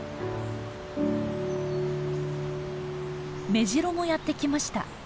メジロもやって来ました。